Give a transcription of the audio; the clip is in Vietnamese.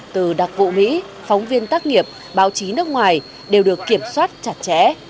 từ đặc vụ mỹ phóng viên tác nghiệp báo chí nước ngoài đều được kiểm soát chặt chẽ